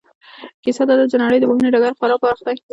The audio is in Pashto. کیسه دا ده چې د نړۍ د پوهنې ډګر خورا پراخ دی.